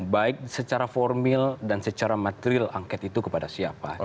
baik secara formil dan secara material angket itu kepada siapa